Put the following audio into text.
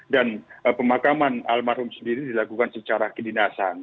dan pemakaman almarhum sendiri dilakukan secara kedinasan